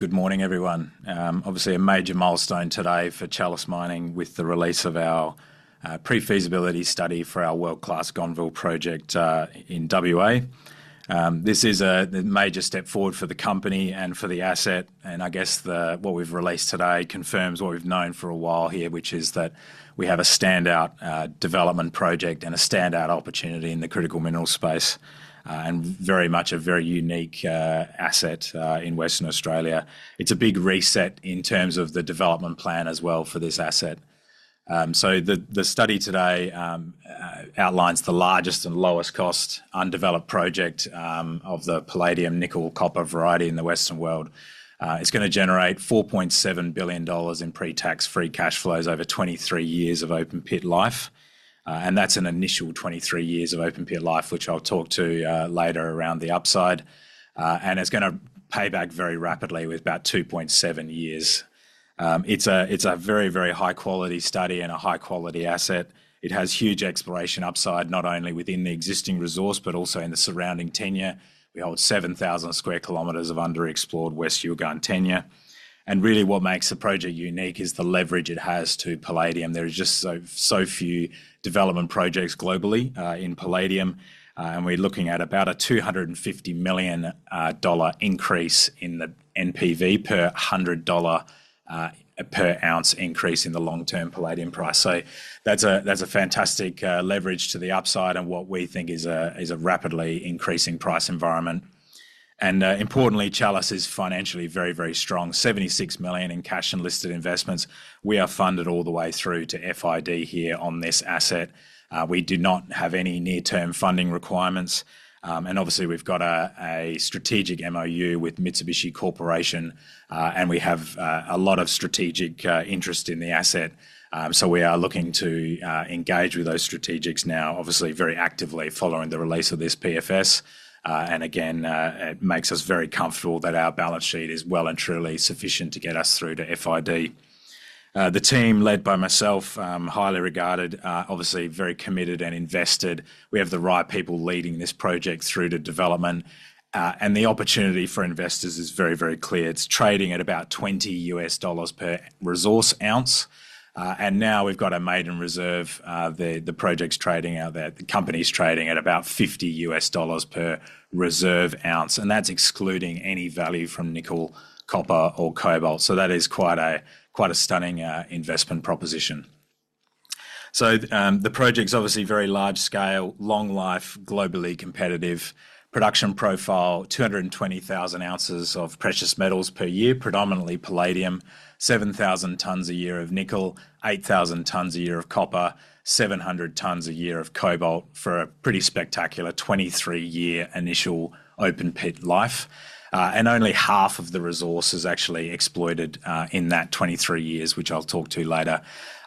Good morning, everyone. Obviously, a major milestone today for Chalice Mining with the release of our pre-feasibility study for our world-class Gonneville Project in WA. This is a major step forward for the company and for the asset, and I guess what we've released today confirms what we've known for a while here, which is that we have a standout development project and a standout opportunity in the critical mineral space, and very much a very unique asset in Western Australia. It's a big reset in terms of the development plan as well for this asset, so the study today outlines the largest and lowest cost undeveloped project of the palladium nickel copper variety in the Western world. It's going to generate 4.7 billion dollars in pre-tax free cash flows over 23 years of open pit life. That's an initial 23 years of open pit life, which I'll talk to later around the upside. It's going to pay back very rapidly with about 2.7 years. It's a very, very high-quality study and a high-quality asset. It has huge exploration upside, not only within the existing resource, but also in the surrounding tenure. We hold 7,000 sq km of underexplored West Yilgarn tenure. Really, what makes the project unique is the leverage it has to palladium. There are just so few development projects globally in palladium. We're looking at about a 250 million dollar increase in the NPV per 100 dollar per ounce increase in the long-term palladium price. That's a fantastic leverage to the upside and what we think is a rapidly increasing price environment. Importantly, Chalice is financially very, very strong. 76 million in cash and listed investments. We are funded all the way through to FID here on this asset. We do not have any near-term funding requirements. And obviously, we've got a strategic MOU with Mitsubishi Corporation, and we have a lot of strategic interest in the asset. So we are looking to engage with those strategics now, obviously very actively following the release of this PFS. And again, it makes us very comfortable that our balance sheet is well and truly sufficient to get us through to FID. The team, led by myself, highly regarded, obviously very committed and invested. We have the right people leading this project through to development. And the opportunity for investors is very, very clear. It's trading at about $20 per resource ounce. And now we've got a maiden reserve. The project's trading out there. The company's trading at about $50 per reserve ounce. That's excluding any value from nickel, copper, or cobalt. That is quite a stunning investment proposition. The project's obviously very large scale, long life, globally competitive, production profile, 220,000 oz of precious metals per year, predominantly palladium, 7,000 tonnes a year of nickel, 8,000 tonnes a year of copper, 700 tonnes a year of cobalt for a pretty spectacular 23-year initial open pit life. Only half of the resource is actually exploited in that 23 years, which I'll talk to later.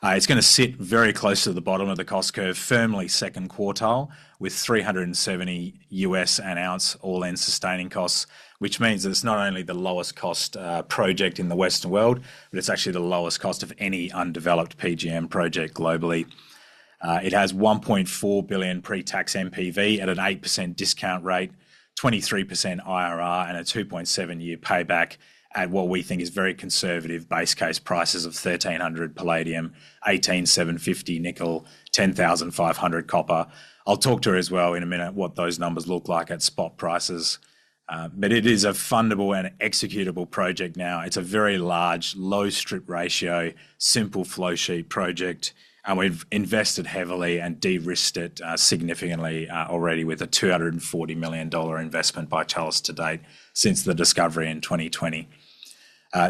It's going to sit very close to the bottom of the cost curve, firmly second quartile, with $370 an ounce All-In Sustaining Costs, which means it's not only the lowest cost project in the Western world, but it's actually the lowest cost of any undeveloped PGM project globally. It has 1.4 billion pre-tax NPV at an 8% discount rate, 23% IRR, and a 2.7-year payback at what we think is very conservative base case prices of 1,300 palladium, 8,750 nickel, 10,500 copper. I'll talk to her as well in a minute what those numbers look like at spot prices. But it is a fundable and executable project now. It's a very large, low strip ratio, simple flowsheet project. And we've invested heavily and de-risked it significantly already with an 240 million dollar investment by Chalice to date since the discovery in 2020.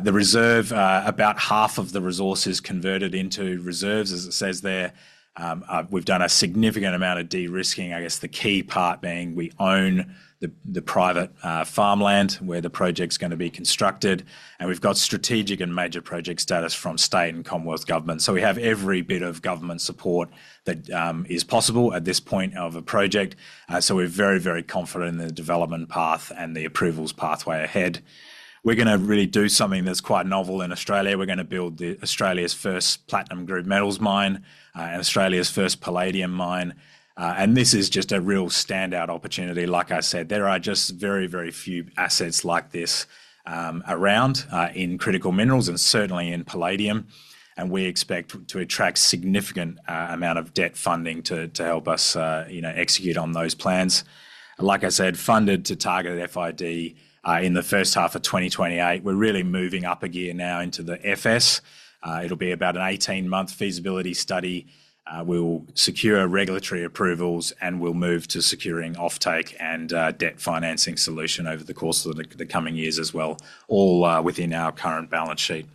The reserve, about half of the resource is converted into reserves, as it says there. We've done a significant amount of de-risking. I guess the key part being we own the private farmland where the project's going to be constructed. And we've got Strategic and Major Project Status from State and Commonwealth governments. So we have every bit of government support that is possible at this point of a project. So we're very, very confident in the development path and the approvals pathway ahead. We're going to really do something that's quite novel in Australia. We're going to build Australia's first platinum group metals mine and Australia's first palladium mine. And this is just a real standout opportunity. Like I said, there are just very, very few assets like this around in critical minerals and certainly in palladium. And we expect to attract a significant amount of debt funding to help us execute on those plans. Like I said, funded to target FID in the first half of 2028. We're really moving up a gear now into the FS. It'll be about an 18-month feasibility study. We'll secure regulatory approvals and we'll move to securing offtake and debt financing solution over the course of the coming years as well, all within our current balance sheet.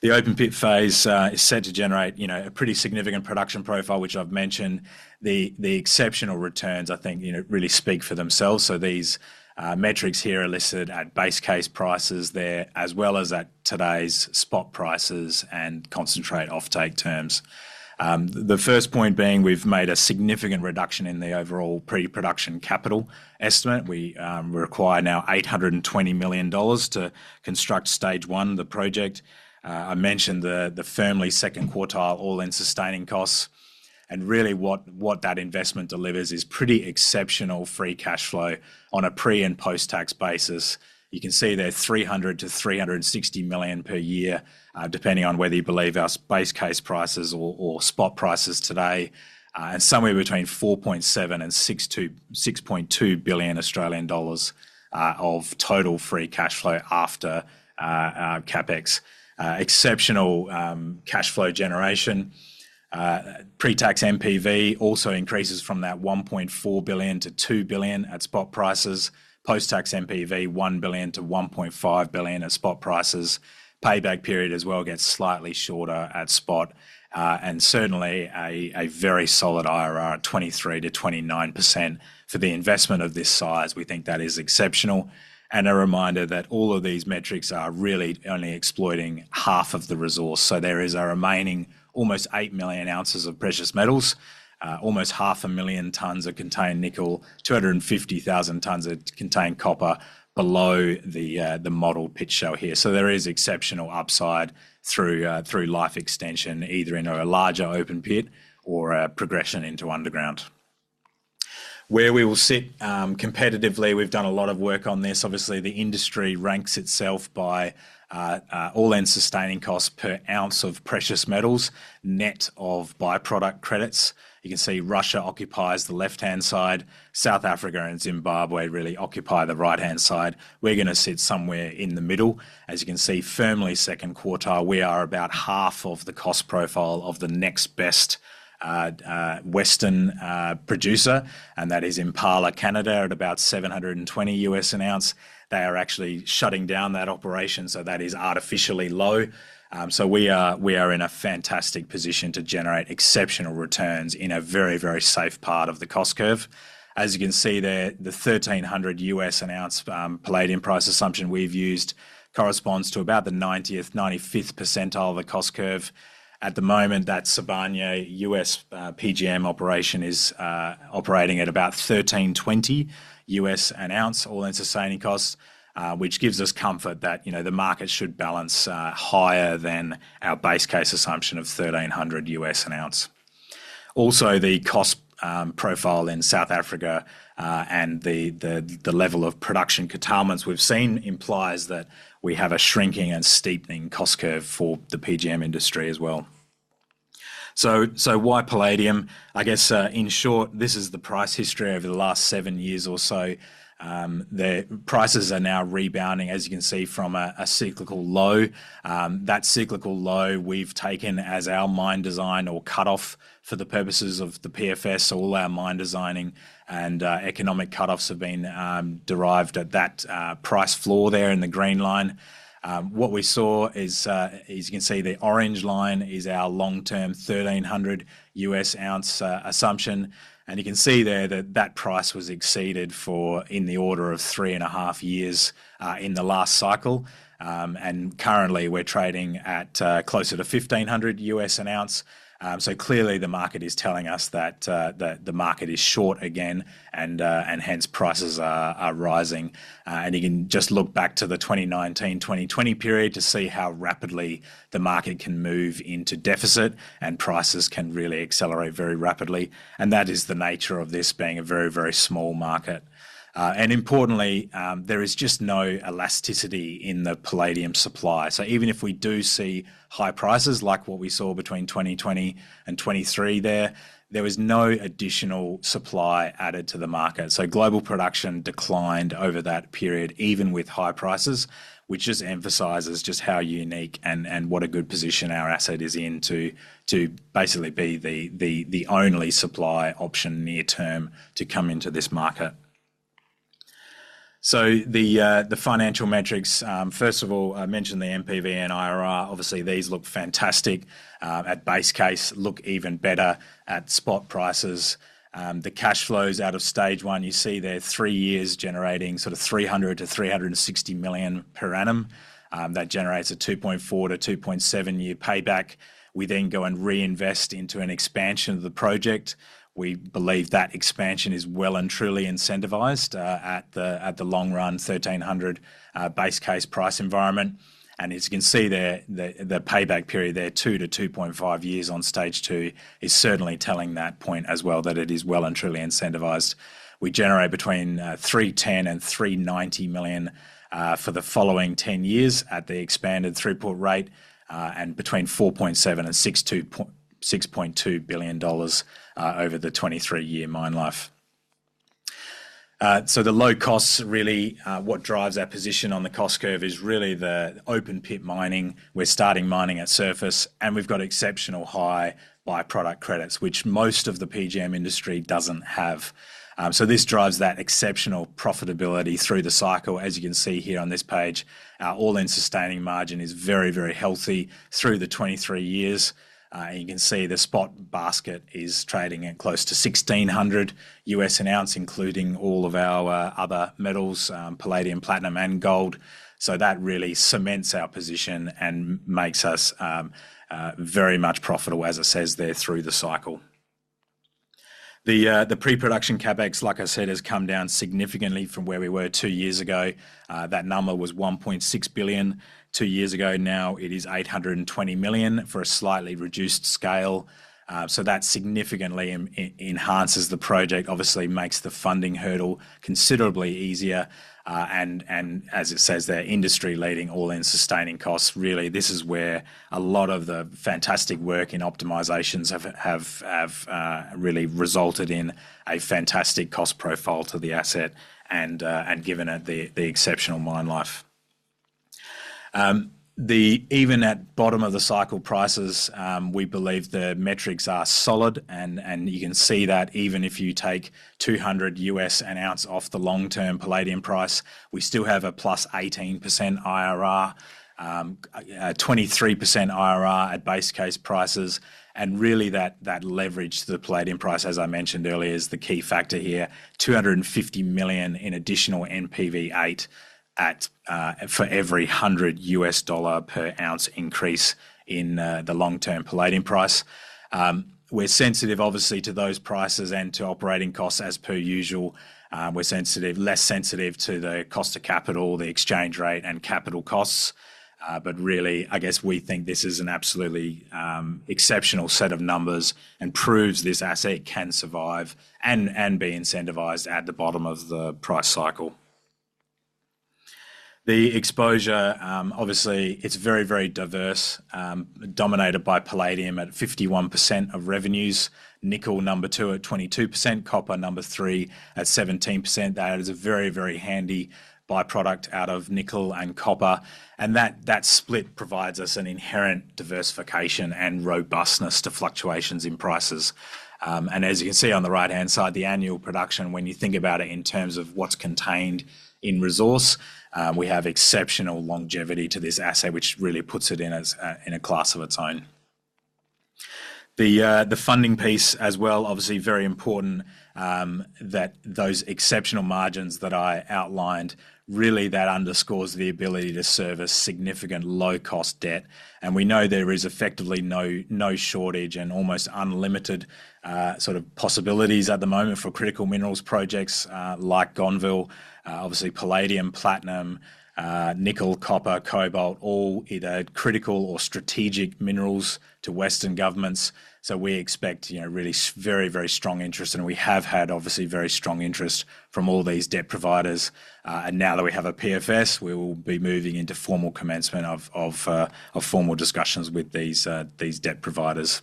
The open pit phase is set to generate a pretty significant production profile, which I've mentioned. The exceptional returns, I think, really speak for themselves. So these metrics here are listed at base case prices there, as well as at today's spot prices and concentrate offtake terms. The first point being we've made a significant reduction in the overall pre-production capital estimate. We require now 820 million dollars to construct Stage 1 of the project. I mentioned the firmly second quartile All-In Sustaining Costs. And really what that investment delivers is pretty exceptional free cash flow on a pre- and post-tax basis. You can see there's 300-360 million per year, depending on whether you believe our base case prices or spot prices today. And somewhere between 4.7 billion and 6.2 billion Australian dollars of total free cash flow after CapEx. Exceptional cash flow generation. Pre-tax NPV also increases from that 1.4 billion to 2 billion at spot prices. Post-tax NPV, 1 billion to 1.5 billion at spot prices. Payback period as well gets slightly shorter at spot. And certainly a very solid IRR at 23%-29% for the investment of this size. We think that is exceptional. And a reminder that all of these metrics are really only exploiting half of the resource. So there is a remaining almost eight million ounces of precious metals, almost 500,000 tonnes of contained nickel, 250,000 tonnes of contained copper below the model pit shell here. There is exceptional upside through life extension, either in a larger open pit or a progression into underground. Where we will sit competitively, we've done a lot of work on this. Obviously, the industry ranks itself by All-In Sustaining Costs per ounce of precious metals, net of byproduct credits. You can see Russia occupies the left-hand side. South Africa and Zimbabwe really occupy the right-hand side. We're going to sit somewhere in the middle. As you can see, firmly second quartile, we are about half of the cost profile of the next best Western producer. And that is Impala Canada, at about $720 an ounce. They are actually shutting down that operation. So that is artificially low. So we are in a fantastic position to generate exceptional returns in a very, very safe part of the cost curve. As you can see there, the $1,300 an ounce palladium price assumption we've used corresponds to about the 90th, 95th percentile of the cost curve. At the moment, that Sibanye-Stillwater US PGM operation is operating at about $1,320 an ounce All-In Sustaining Costs, which gives us comfort that the market should balance higher than our base case assumption of $1,300 an ounce. Also, the cost profile in South Africa and the level of production curtailments we've seen implies that we have a shrinking and steepening cost curve for the PGM industry as well. So why palladium? I guess in short, this is the price history over the last seven years or so. The prices are now rebounding, as you can see, from a cyclical low. That cyclical low we've taken as our mine design or cutoff for the purposes of the PFS. All our mine designing and economic cutoffs have been derived at that price floor there in the green line. What we saw is, as you can see, the orange line is our long-term $1,300 an ounce assumption. And you can see there that that price was exceeded for in the order of three and a half years in the last cycle. And currently, we're trading at closer to $1,500 an ounce. So clearly, the market is telling us that the market is short again, and hence prices are rising. And you can just look back to the 2019-2020 period to see how rapidly the market can move into deficit and prices can really accelerate very rapidly. And that is the nature of this being a very, very small market. And importantly, there is just no elasticity in the palladium supply. So even if we do see high prices, like what we saw between 2020 and 2023 there, there was no additional supply added to the market. So global production declined over that period, even with high prices, which just emphasizes just how unique and what a good position our asset is in to basically be the only supply option near term to come into this market. So the financial metrics, first of all, I mentioned the NPV and IRR. Obviously, these look fantastic at base case. Look even better at spot prices. The cash flows out of Stage 1, you see there three years generating sort of 300 million-360 million per annum. That generates a 2.4-2.7-year payback. We then go and reinvest into an expansion of the project. We believe that expansion is well and truly incentivised at the long run, 1,300 base case price environment. As you can see there, the payback period there, two to 2.5 years on Stage 2, is certainly telling that point as well that it is well and truly incentivised. We generate between 310 million and 390 million for the following 10 years at the expanded throughput rate and between 4.7 billion and 6.2 billion dollars over the 23-year mine life. So the low costs, really what drives our position on the cost curve is really the open pit mining. We're starting mining at surface, and we've got exceptional high byproduct credits, which most of the PGM industry doesn't have. So this drives that exceptional profitability through the cycle. As you can see here on this page, our all-in sustaining margin is very, very healthy through the 23 years. You can see the spot basket is trading at close to $1,600 an ounce, including all of our other metals, palladium, platinum, and gold. That really cements our position and makes us very much profitable, as it says there, through the cycle. The pre-production CapEx, like I said, has come down significantly from where we were two years ago. That number was 1.6 billion two years ago. Now it is 820 million for a slightly reduced scale. That significantly enhances the project, obviously makes the funding hurdle considerably easier. As it says there, industry-leading All-In Sustaining Costs. Really, this is where a lot of the fantastic work in optimizations have really resulted in a fantastic cost profile to the asset and given it the exceptional mine life. Even at bottom of the cycle prices, we believe the metrics are solid. You can see that even if you take $200 an ounce off the long-term palladium price, we still have a plus 18% IRR, 23% IRR at base case prices. Really that leverage to the palladium price, as I mentioned earlier, is the key factor here. 250 million in additional NPV8 for every $100 per ounce increase in the long-term palladium price. We're sensitive, obviously, to those prices and to operating costs as per usual. We're less sensitive to the cost of capital, the exchange rate, and capital costs. Really, I guess we think this is an absolutely exceptional set of numbers and proves this asset can survive and be incentivized at the bottom of the price cycle. The exposure, obviously, it's very, very diverse, dominated by palladium at 51% of revenues, nickel number two at 22%, copper number three at 17%. That is a very, very handy byproduct out of nickel and copper. And that split provides us an inherent diversification and robustness to fluctuations in prices. And as you can see on the right-hand side, the annual production, when you think about it in terms of what's contained in resource, we have exceptional longevity to this asset, which really puts it in a class of its own. The funding piece as well, obviously very important that those exceptional margins that I outlined, really that underscores the ability to service significant low-cost debt. And we know there is effectively no shortage and almost unlimited sort of possibilities at the moment for critical minerals projects like Gonneville, obviously palladium, platinum, nickel, copper, cobalt, all either critical or strategic minerals to Western governments. So we expect really very, very strong interest. And we have had, obviously, very strong interest from all these debt providers. And now that we have a PFS, we will be moving into formal commencement of formal discussions with these debt providers.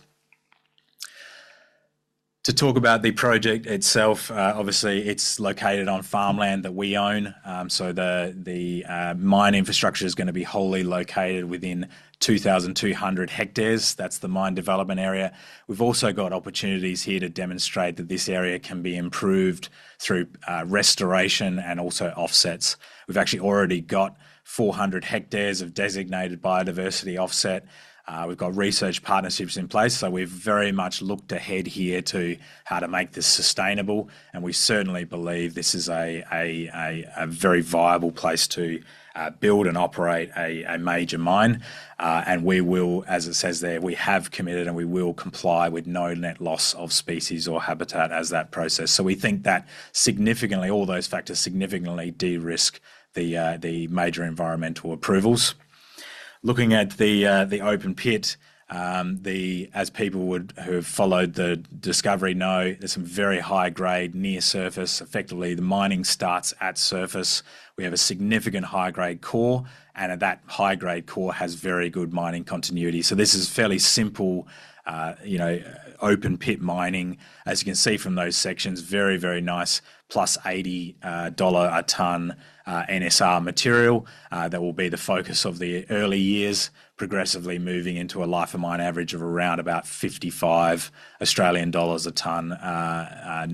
To talk about the project itself, obviously, it's located on farmland that we own. So the mine infrastructure is going to be wholly located within 2,200 hectares. That's the mine development area. We've also got opportunities here to demonstrate that this area can be improved through restoration and also offsets. We've actually already got 400 hectares of designated biodiversity offset. We've got research partnerships in place. So we've very much looked ahead here to how to make this sustainable. And we certainly believe this is a very viable place to build and operate a major mine. We will, as it says there, we have committed and we will comply with no net loss of species or habitat as that process. We think that significantly, all those factors significantly de-risk the major environmental approvals. Looking at the open pit, as people who have followed the discovery know, there's some very high-grade near surface. Effectively, the mining starts at surface. We have a significant high-grade core. That high-grade core has very good mining continuity. This is fairly simple open pit mining. As you can see from those sections, very, very nice plus 80 dollar a tonne NSR material that will be the focus of the early years, progressively moving into a life of mine average of around about 55 Australian dollars a tonne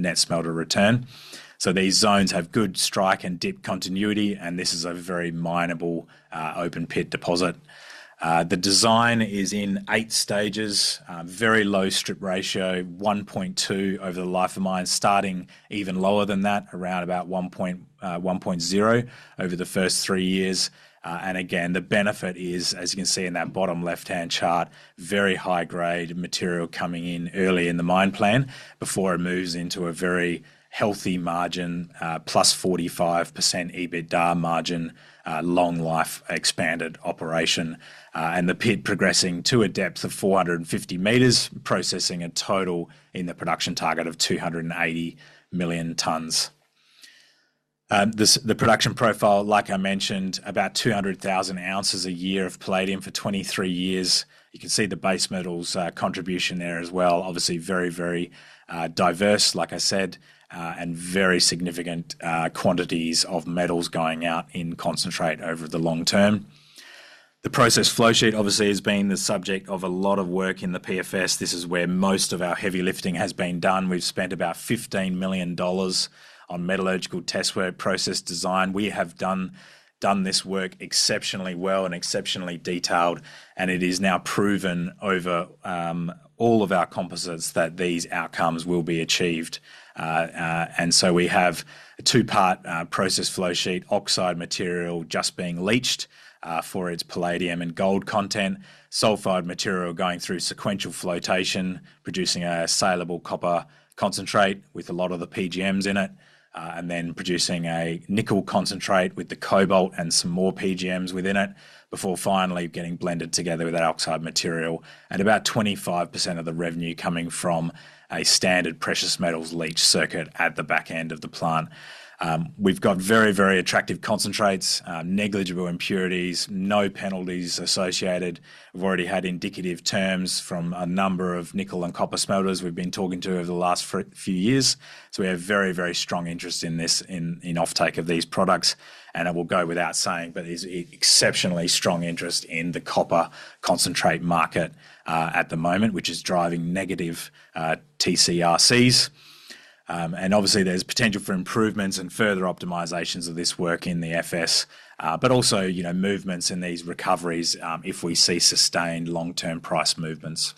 Net Smelter Return. These zones have good strike and dip continuity. This is a very minable open pit deposit. The design is in eight stages, very low strip ratio, 1.2 over the life of mine, starting even lower than that, around about 1.0 over the first three years. And again, the benefit is, as you can see in that bottom left-hand chart, very high-grade material coming in early in the mine plan before it moves into a very healthy margin, plus 45% EBITDA margin, long-life expanded operation. And the pit progressing to a depth of 450m, processing a total in the production target of 280 million tonnes. The production profile, like I mentioned, about 200,000 oz a year of palladium for 23 years. You can see the base metals contribution there as well. Obviously, very, very diverse, like I said, and very significant quantities of metals going out in concentrate over the long term. The process flowsheet, obviously, has been the subject of a lot of work in the PFS. This is where most of our heavy lifting has been done. We've spent about 15 million dollars on metallurgical test work, process design. We have done this work exceptionally well and exceptionally detailed. And it is now proven over all of our composites that these outcomes will be achieved. And so we have a two-part process flowsheet, oxide material just being leached for its palladium and gold content, sulphide material going through sequential flotation, producing a saleable copper concentrate with a lot of the PGMs in it, and then producing a nickel concentrate with the cobalt and some more PGMs within it before finally getting blended together with that oxide material. And about 25% of the revenue coming from a standard precious metals leach circuit at the back end of the plant. We've got very, very attractive concentrates, negligible impurities, no penalties associated. We've already had indicative terms from a number of nickel and copper smelters we've been talking to over the last few years, so we have very, very strong interest in this in offtake of these products, and it will go without saying, but there's exceptionally strong interest in the copper concentrate market at the moment, which is driving negative TC/RCs, and obviously, there's potential for improvements and further optimizations of this work in the FS, but also movements in these recoveries if we see sustained long-term price movements.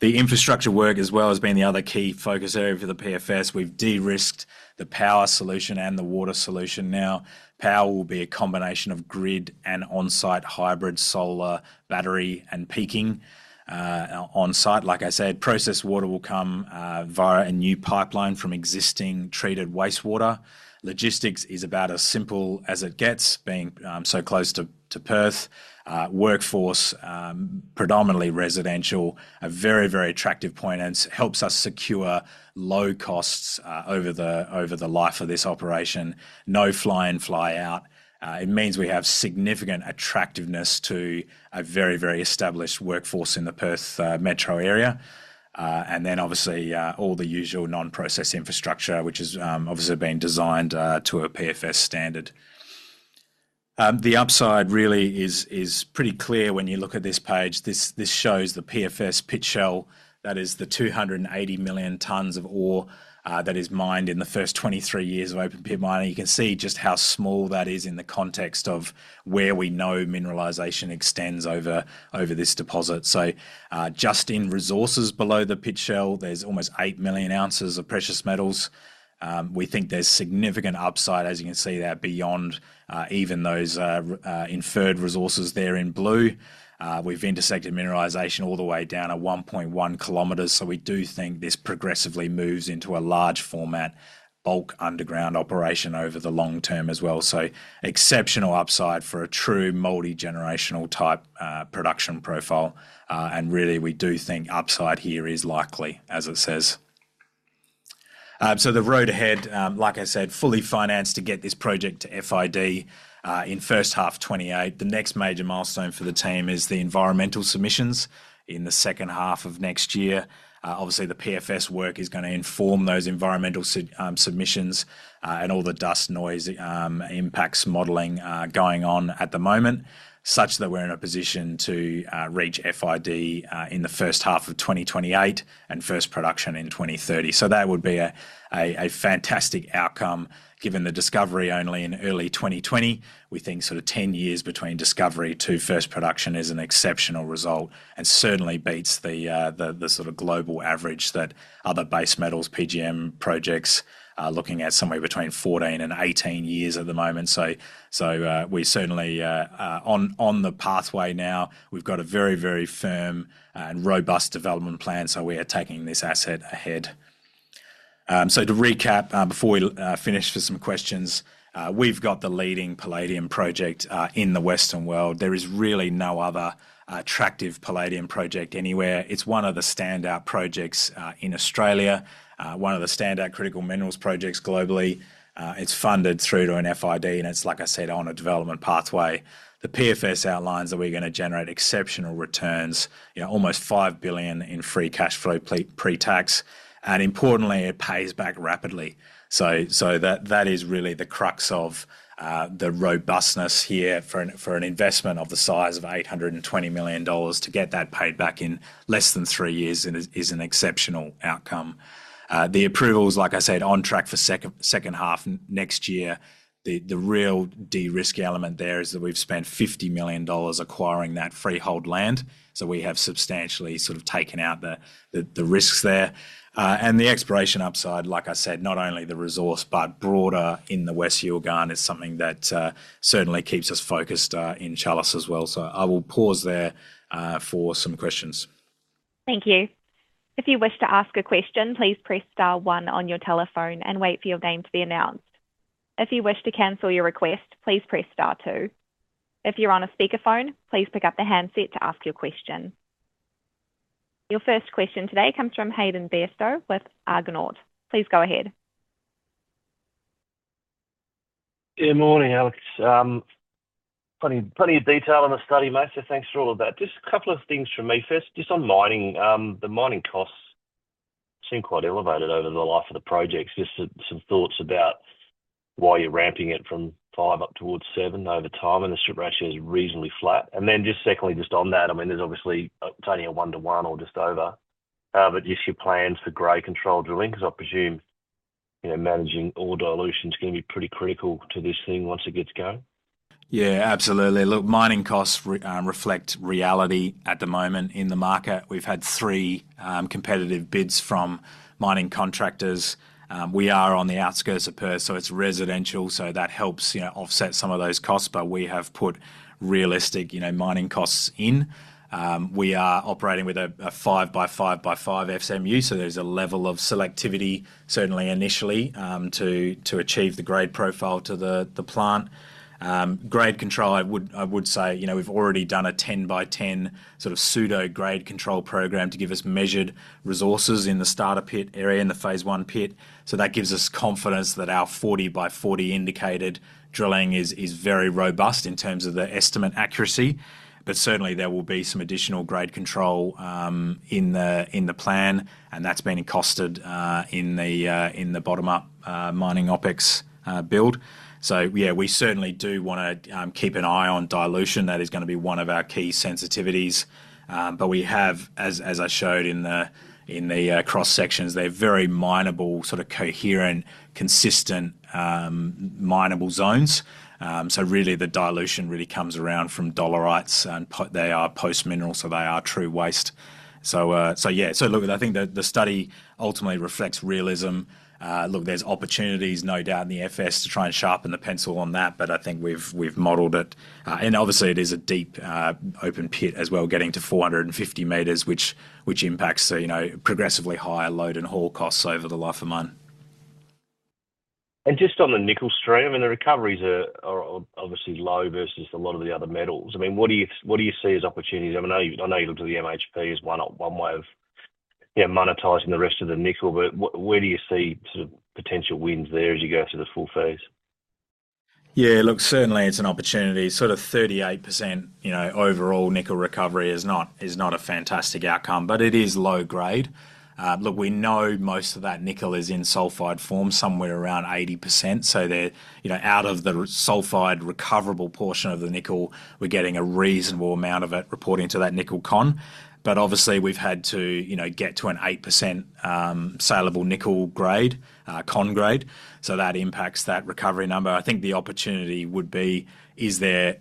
The infrastructure work as well has been the other key focus area for the PFS. We've de-risked the power solution and the water solution now. Power will be a combination of grid and on-site hybrid solar, battery, and peaking on-site. Like I said, process water will come via a new pipeline from existing treated wastewater. Logistics is about as simple as it gets, being so close to Perth. Workforce, predominantly residential, a very, very attractive point and helps us secure low costs over the life of this operation. No fly-in, fly-out. It means we have significant attractiveness to a very, very established workforce in the Perth metro area. And then, obviously, all the usual non-process infrastructure, which has obviously been designed to a PFS standard. The upside really is pretty clear when you look at this page. This shows the PFS pit shell. That is the 280 million tonnes of ore that is mined in the first 23 years of open pit mining. You can see just how small that is in the context of where we know mineralization extends over this deposit. Just in resources below the pit shell, there's almost eight million ounces of precious metals. We think there's significant upside, as you can see there, beyond even those inferred resources there in blue. We've intersected mineralization all the way down at 1.1 km. We do think this progressively moves into a large format bulk underground operation over the long term as well. Exceptional upside for a true multi-generational type production profile. And really, we do think upside here is likely, as it says. The road ahead, like I said, fully financed to get this project to FID in first half 2028. The next major milestone for the team is the environmental submissions in the second half of next year. Obviously, the PFS work is going to inform those environmental submissions and all the dust, noise, impacts modelling going on at the moment, such that we're in a position to reach FID in the first half of 2028 and first production in 2030. So that would be a fantastic outcome given the discovery only in early 2020. We think sort of 10 years between discovery to first production is an exceptional result and certainly beats the sort of global average that other base metals PGM projects are looking at somewhere between 14 and 18 years at the moment. So we're certainly on the pathway now. We've got a very, very firm and robust development plan. So we are taking this asset ahead. So to recap, before we finish for some questions, we've got the leading palladium project in the Western world. There is really no other attractive palladium project anywhere. It's one of the standout projects in Australia, one of the standout critical minerals projects globally. It's funded through to an FID and it's, like I said, on a development pathway. The PFS outlines that we're going to generate exceptional returns, almost five billion in free cash flow pre-tax. And importantly, it pays back rapidly. So that is really the crux of the robustness here, for an investment of the size of 820 million dollars to get that paid back in less than three years, is an exceptional outcome. The approvals, like I said, on track for second half next year. The real de-risk element there is that we've spent 50 million dollars acquiring that freehold land. So we have substantially sort of taken out the risks there. And the exploration upside, like I said, not only the resource but broader in the West Yilgarn is something that certainly keeps us focused in Chalice as well. So I will pause there for some questions. Thank you. If you wish to ask a question, please press star one on your telephone and wait for your name to be announced. If you wish to cancel your request, please press star two. If you're on a speakerphone, please pick up the handset to ask your question. Your first question today comes from Hayden Bairstow with Argonaut. Please go ahead. Good morning, Alex. Plenty of detail on the study, mate. So thanks for all of that. Just a couple of things from me first. Just on mining, the mining costs seem quite elevated over the life of the project. Just some thoughts about why you're ramping it from five up towards seven over time and the strip ratio is reasonably flat. And then just secondly, just on that, I mean, there's obviously it's only a one-to-one or just over. But just your plans for grade control drilling? Because I presume managing all dilutions is going to be pretty critical to this thing once it gets going. Yeah, absolutely. Look, mining costs reflect reality at the moment in the market. We've had three competitive bids from mining contractors. We are on the outskirts of Perth, so it's residential. So that helps offset some of those costs, but we have put realistic mining costs in. We are operating with a five by five by five SMU, so there's a level of selectivity, certainly initially, to achieve the grade profile to the plant. Grade control, I would say we've already done a 10 by 10 sort of pseudo grade control program to give us measured resources in the starter pit area, in the phase one pit. So that gives us confidence that our 40 by 40 indicated drilling is very robust in terms of the estimate accuracy. But certainly, there will be some additional grade control in the plan, and that's been costed in the bottom-up mining OpEx build. So yeah, we certainly do want to keep an eye on dilution. That is going to be one of our key sensitivities. But we have, as I showed in the cross-sections, they're very minable, sort of coherent, consistent minable zones. So really, the dilution really comes around from dolerites, and they are post-mineral, so they are true waste. So yeah, so look, I think the study ultimately reflects realism. Look, there's opportunities, no doubt, in the FS to try and sharpen the pencil on that, but I think we've modeled it. Obviously, it is a deep open pit as well, getting to 450m, which impacts progressively higher load and haul costs over the life of mine. Just on the nickel stream, I mean, the recoveries are obviously low versus a lot of the other metals. I mean, what do you see as opportunities? I know you looked at the MHP as one way of monetizing the rest of the nickel, but where do you see sort of potential wins there as you go through the full phase? Yeah, look, certainly it's an opportunity. Sort of 38% overall nickel recovery is not a fantastic outcome, but it is low grade. Look, we know most of that nickel is in sulphide form, somewhere around 80%. So out of the sulphide recoverable portion of the nickel, we're getting a reasonable amount of it reporting to that nickel con. But obviously, we've had to get to an 8% saleable nickel grade, con grade. So that impacts that recovery number. I think the opportunity would be, is there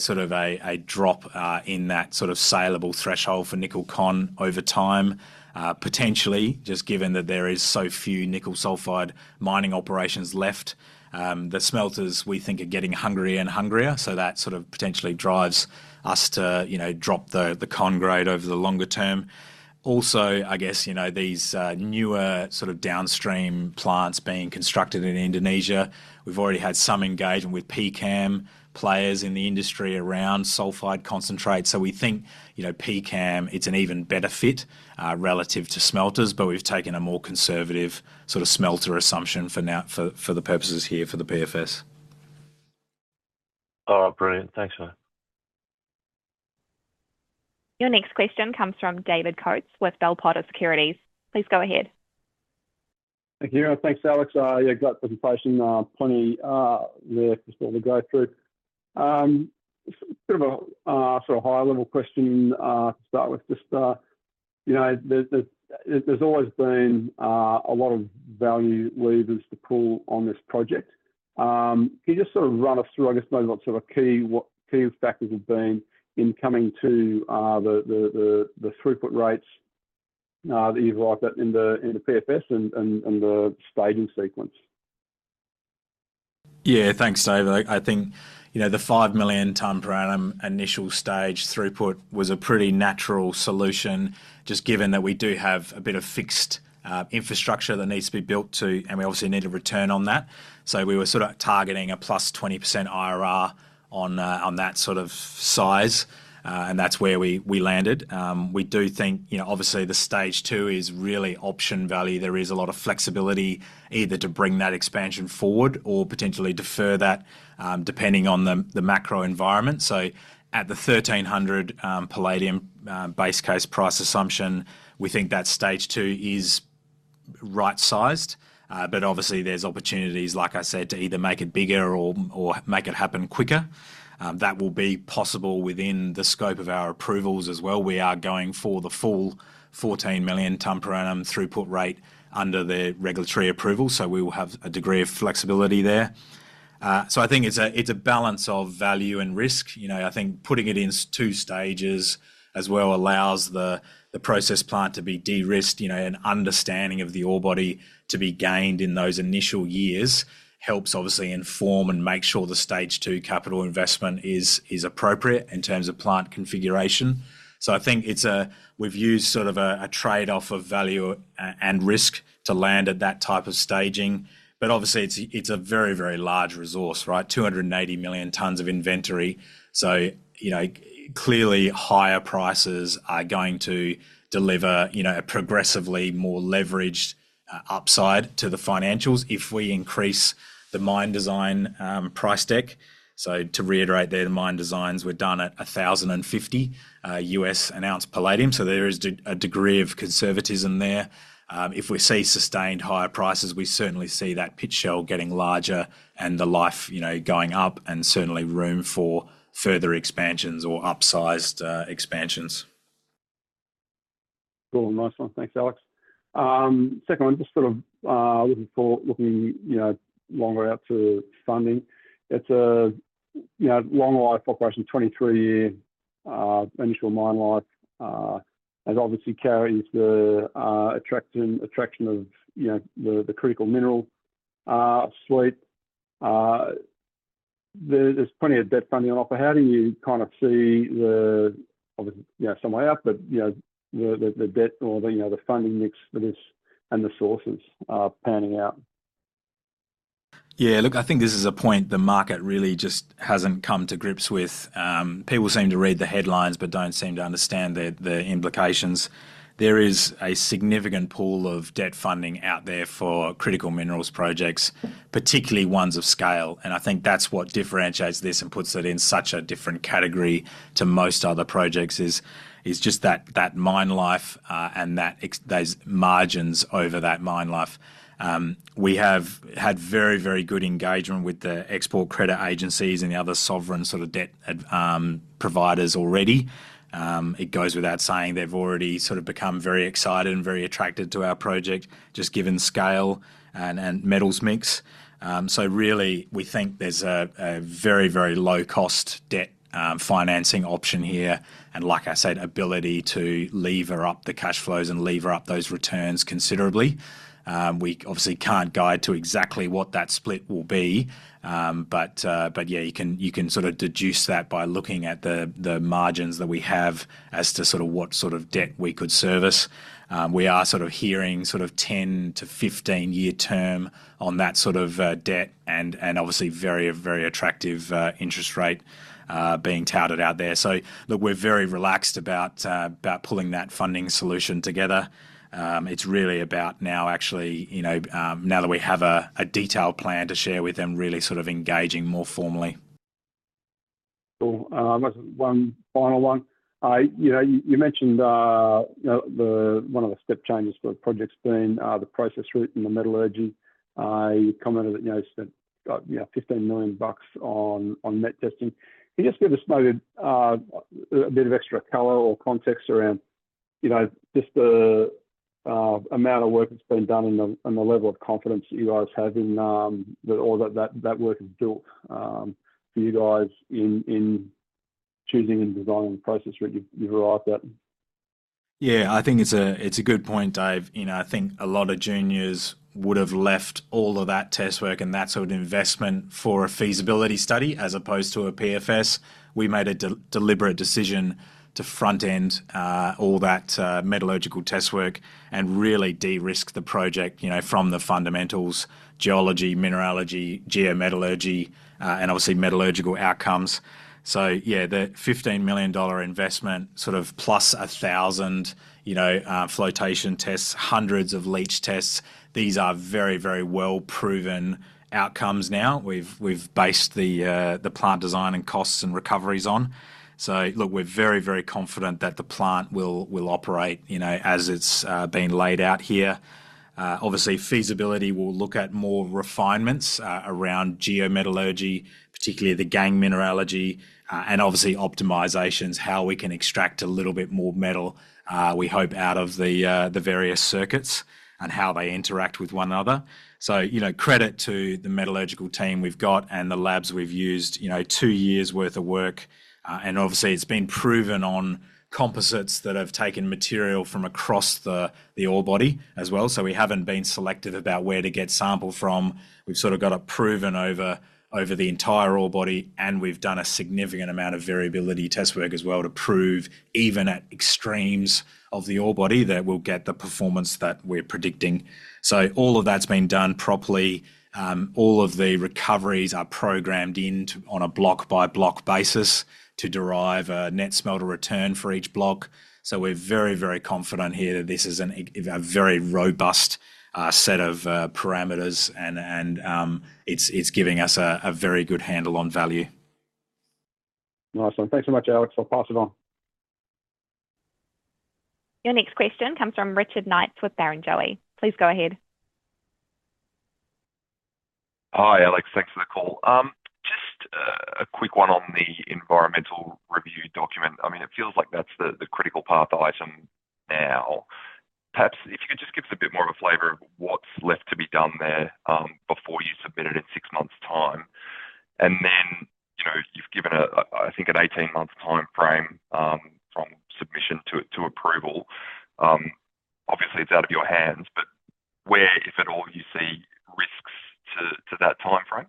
sort of a drop in that sort of saleable threshold for nickel con over time, potentially, just given that there is so few nickel sulphide mining operations left. The smelters, we think, are getting hungrier and hungrier. So that sort of potentially drives us to drop the con grade over the longer term. Also, I guess these newer sort of downstream plants being constructed in Indonesia, we've already had some engagement with pCAM players in the industry around sulphide concentrate. So we think pCAM, it's an even better fit relative to smelters, but we've taken a more conservative sort of smelter assumption for the purposes here for the PFS. Oh, brilliant. Thanks, mate. Your next question comes from David Coates with Bell Potter Securities. Please go ahead. Thank you. Thanks, Alex. Yeah, great presentation. Plenty there for us to go through. Bit of a sort of high-level question to start with. Just, there's always been a lot of value levers to pull on this project. Can you just sort of run us through, I guess, maybe what sort of key factors have been in coming to the throughput rates that you've liked in the PFS and the staging sequence? Yeah, thanks, David. I think the 5 million tonnes per annum initial stage throughput was a pretty natural solution, just given that we do have a bit of fixed infrastructure that needs to be built, too, and we obviously need a return on that. So we were sort of targeting a plus 20% IRR on that sort of size, and that's where we landed. We do think, obviously, the Stage 2 is really option value. There is a lot of flexibility either to bring that expansion forward or potentially defer that, depending on the macro environment. So at the 1,300 palladium base case price assumption, we think that Stage 2 is right-sized. But obviously, there's opportunities, like I said, to either make it bigger or make it happen quicker. That will be possible within the scope of our approvals as well. We are going for the full 14 million tonne per annum throughput rate under the regulatory approval, so we will have a degree of flexibility there. So I think it's a balance of value and risk. I think putting it in two stages as well allows the process plant to be de-risked, and understanding of the ore body to be gained in those initial years helps, obviously, inform and make sure the Stage 2 capital investment is appropriate in terms of plant configuration. So I think we've used sort of a trade-off of value and risk to land at that type of staging. But obviously, it's a very, very large resource, right? 280 million tonnes of inventory. So clearly, higher prices are going to deliver a progressively more leveraged upside to the financials if we increase the mine design price deck. So to reiterate there, the mine designs were done at $1,050 an ounce palladium. So there is a degree of conservatism there. If we see sustained higher prices, we certainly see that pit shell getting larger and the life going up, and certainly room for further expansions or upsized expansions. Cool. Nice one. Thanks, Alex. Second one, just sort of looking longer out to funding. It's a long-life operation, 23-year initial mine life, and obviously carries the attraction of the critical mineral slate. There's plenty of debt funding on offer. How do you kind of see the, obviously, somewhere out, but the debt or the funding mix for this and the sources panning out? Yeah, look, I think this is a point the market really just hasn't come to grips with. People seem to read the headlines but don't seem to understand the implications. There is a significant pool of debt funding out there for critical minerals projects, particularly ones of scale, and I think that's what differentiates this and puts it in such a different category to most other projects is just that mine life and those margins over that mine life. We have had very, very good engagement with the export credit agencies and the other sovereign sort of debt providers already. It goes without saying they've already sort of become very excited and very attracted to our project, just given scale and metals mix, so really, we think there's a very, very low-cost debt financing option here, and like I said, ability to lever up the cash flows and lever up those returns considerably. We obviously can't guide to exactly what that split will be, but yeah, you can sort of deduce that by looking at the margins that we have as to sort of what sort of debt we could service. We are sort of hearing sort of 10-15-year term on that sort of debt and obviously very, very attractive interest rate being touted out there. So look, we're very relaxed about pulling that funding solution together. It's really about now, actually, now that we have a detailed plan to share with them, really sort of engaging more formally. Cool. One final one. You mentioned one of the step changes for the project's been the process route and the metallurgy. You commented that you spent 15 million bucks on met testing. Can you just give us maybe a bit of extra color or context around just the amount of work that's been done and the level of confidence that you guys have in that all that work is built for you guys in choosing and designing the process route you've arrived at? Yeah, I think it's a good point, Dave. I think a lot of juniors would have left all of that test work and that sort of investment for a feasibility study as opposed to a PFS. We made a deliberate decision to front-end all that metallurgical test work and really de-risk the project from the fundamentals, geology, mineralogy, geometallurgy, and obviously metallurgical outcomes. So yeah, the 15 million dollar investment sort of plus 1,000 flotation tests, hundreds of leach tests, these are very, very well-proven outcomes now we've based the plant design and costs and recoveries on. Look, we're very, very confident that the plant will operate as it's been laid out here. Obviously, feasibility, we'll look at more refinements around geometallurgy, particularly the gangue mineralogy, and obviously optimizations, how we can extract a little bit more metal, we hope, out of the various circuits and how they interact with one another. Credit to the metallurgical team we've got and the labs we've used, two years' worth of work. Obviously, it's been proven on composites that have taken material from across the ore body as well. We haven't been selective about where to get sample from. We've sort of got it proven over the entire ore body, and we've done a significant amount of variability test work as well to prove even at extremes of the ore body that we'll get the performance that we're predicting. All of that's been done properly. All of the recoveries are programmed in on a block-by-block basis to derive a Net Smelter Return for each block. So we're very, very confident here that this is a very robust set of parameters, and it's giving us a very good handle on value. Nice one. Thanks so much, Alex. I'll pass it on. Your next question comes from Richard Knights with Barrenjoey. Please go ahead. Hi, Alex. Thanks for the call. Just a quick one on the Environmental Review Document. I mean, it feels like that's the critical path item now. Perhaps if you could just give us a bit more of a flavor of what's left to be done there before you submit it in six months' time. And then you've given, I think, an 18-month timeframe from submission to approval. Obviously, it's out of your hands, but where, if at all, you see risks to that timeframe?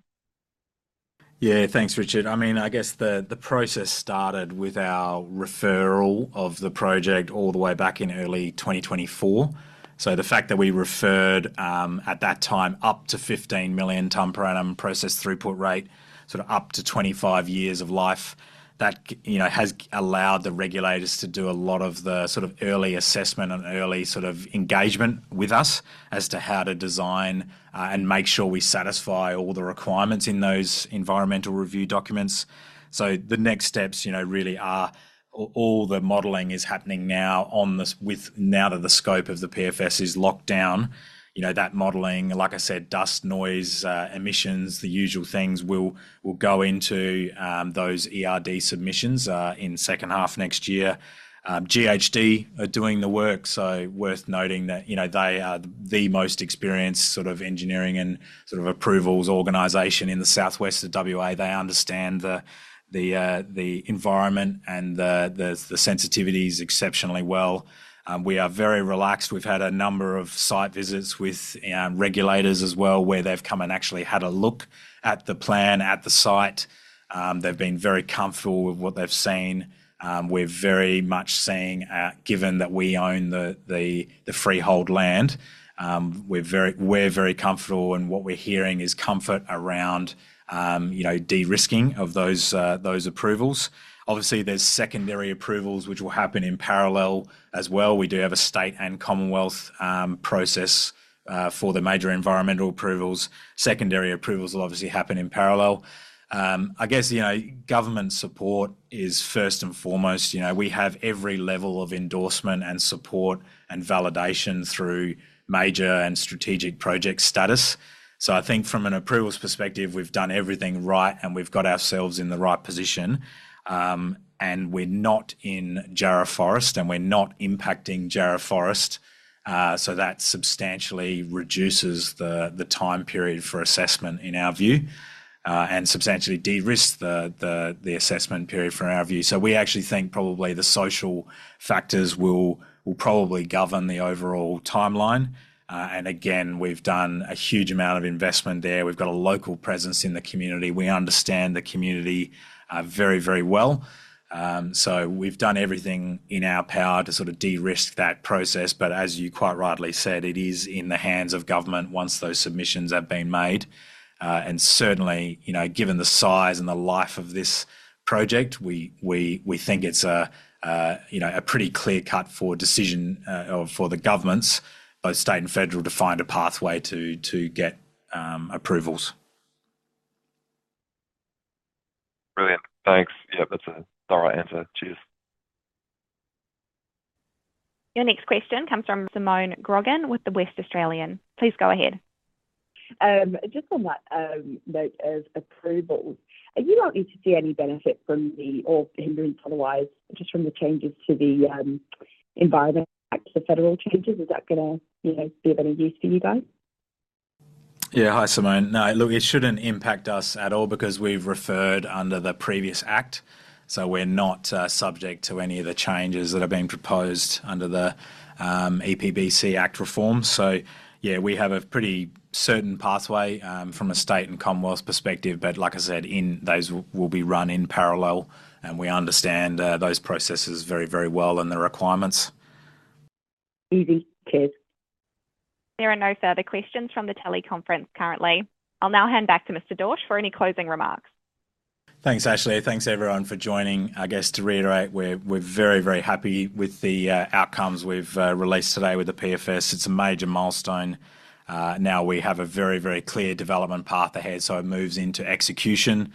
Yeah, thanks, Richard. I mean, I guess the process started with our referral of the project all the way back in early 2024. So the fact that we referred at that time up to 15 million tonne per annum process throughput rate, sort of up to 25 years of life, that has allowed the regulators to do a lot of the sort of early assessment and early sort of engagement with us as to how to design and make sure we satisfy all the requirements in those Environmental Review Documents. So the next steps really are all the modeling is happening now with now that the scope of the PFS is locked down. That modelling, like I said, dust, noise, emissions, the usual things will go into those ERD submissions in second half next year. GHD are doing the work. So worth noting that they are the most experienced sort of engineering and sort of approvals organization in the southwest of WA. They understand the environment and the sensitivities exceptionally well. We are very relaxed. We've had a number of site visits with regulators as well where they've come and actually had a look at the plan at the site. They've been very comfortable with what they've seen. We're very much seeing, given that we own the freehold land, we're very comfortable, and what we're hearing is comfort around de-risking of those approvals. Obviously, there's secondary approvals which will happen in parallel as well. We do have a State and Commonwealth process for the major environmental approvals. Secondary approvals will obviously happen in parallel. I guess government support is first and foremost. We have every level of endorsement and support and validation through Major and Strategic Project Status. So I think from an approvals perspective, we've done everything right, and we've got ourselves in the right position. And we're not in Jarrah Forest, and we're not impacting Jarrah Forest. So that substantially reduces the time period for assessment in our view and substantially de-risked the assessment period from our view. So we actually think probably the social factors will probably govern the overall timeline. And again, we've done a huge amount of investment there. We've got a local presence in the community. We understand the community very, very well. So we've done everything in our power to sort of de-risk that process. But as you quite rightly said, it is in the hands of government once those submissions have been made. And certainly, given the size and the life of this project, we think it's a pretty clear-cut decision for the governments, both State and federal, to find a pathway to get approvals. Brilliant. Thanks. Yep, that's a thorough answer. Cheers. Your next question comes from Simone Grogan with The West Australian. Please go ahead. Just on that note of approvals, you don't need to see any benefit from the overhaul otherwise, just from the changes to the environment, the federal changes. Is that going to be of any use for you guys? Yeah. Hi, Simone. No, look, it shouldn't impact us at all because we've referred under the previous act. So we're not subject to any of the changes that are being proposed under the EPBC Act reform. So yeah, we have a pretty certain pathway from a State and Commonwealth perspective. But like I said, those will be run in parallel. And we understand those processes very, very well and the requirements. Easy. Cheers. There are no further questions from the teleconference currently. I'll now hand back to Mr. Dorsch for any closing remarks. Thanks, Ashley. Thanks, everyone, for joining. I guess to reiterate, we're very, very happy with the outcomes we've released today with the PFS. It's a major milestone. Now we have a very, very clear development path ahead. So it moves into execution.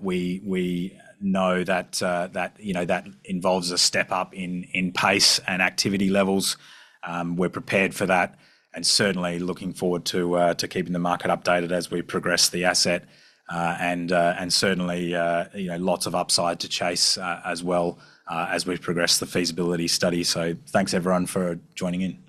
We know that that involves a step up in pace and activity levels. We're prepared for that and certainly looking forward to keeping the market updated as we progress the asset. And certainly, lots of upside to chase as well as we progress the feasibility study. So thanks, everyone, for joining in.